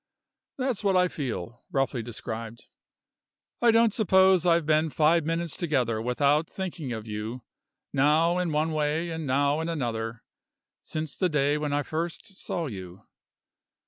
That's what I feel, roughly described. I don't suppose I've been five minutes together without thinking of you, now in one way and now in another, since the day when I first saw you.